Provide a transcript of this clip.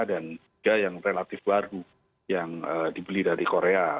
dan tiga yang relatif baru yang dibeli dari korea